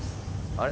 あれ？